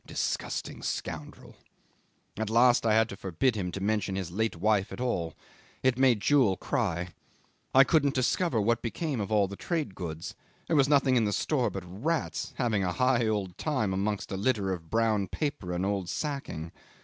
Disgusting scoundrel! At last I had to forbid him to mention his late wife at all. It made Jewel cry. I couldn't discover what became of all the trade goods; there was nothing in the store but rats, having a high old time amongst a litter of brown paper and old sacking.